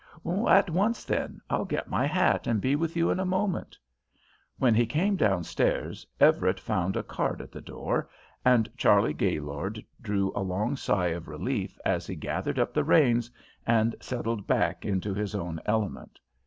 "At once, then. I'll get my hat and be with you in a moment." When he came downstairs Everett found a cart at the door, and Charley Gaylord drew a long sigh of relief as he gathered up the reins and settled back into his own element.